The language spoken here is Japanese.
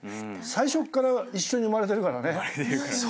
最初から一緒に生まれてるからね。